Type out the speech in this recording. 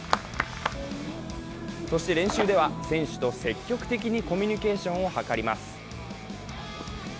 そして練習では選手と積極的にコミュニケーションを図ります。